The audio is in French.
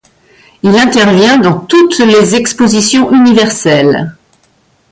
Il intervient dans toutes les expositions universelles.